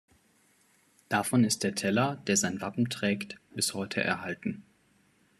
Davon ist der Teller, der sein Wappen trägt, bis heute erhalten.